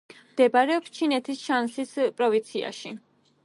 მდებარეობს ჩინეთის შანსის პროვინციაში.